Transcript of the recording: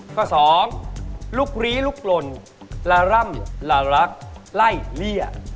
ข้อ๒ลูกหรี้ลูกกล่นละร่ำละรักไล่เหลี่ย